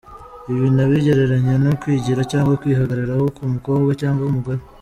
Ibi nabigereranya no kwigira cyangwa kwihagararaho ku mukobwa cyangwa umugore.